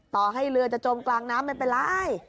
ต่อให้เรือจะจมกลางน้ำไม่เป็นไร